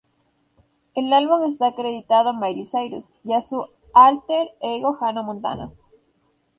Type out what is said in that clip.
El álbum está acreditado a Miley Cyrus y a su alter ego Hannah Montana.